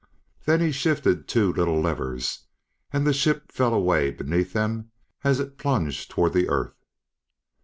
Then he shifted two little levers, and the ship fell away beneath them as it plunged toward the Earth.